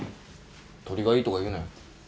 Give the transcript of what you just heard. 鶏がいいとか言うなよ。